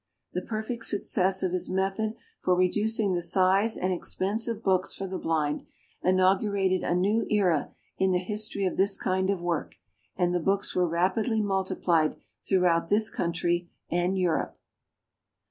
The perfect success of his method for reducing the size and expense of books for the blind, inaugurated a new era in the history of this kind of work, and the books were rapidly multiplied throughout this country and Europe.